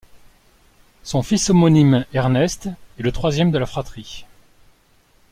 Son fils homonyme Ernest est le troisième de la fratrie.